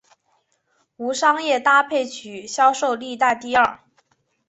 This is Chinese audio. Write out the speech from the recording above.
无商业搭配曲销售历代第二。